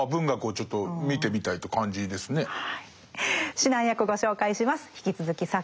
指南役ご紹介します。